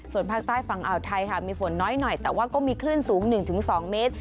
ส่วนภาคใต้ฝั่งอ่าวไทยค่ะมีฝนน้อยหน่อยแต่ว่าก็มีคลื่นสูง๑๒เมตร